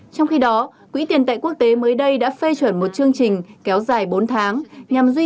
trong khi đó quỹ tiền tệ quốc tế mới đây đã phê chuẩn một chương trình kéo dài bốn tháng nhằm duy